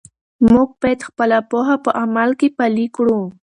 موږ باید خپله پوهه په عمل کې پلی کړو.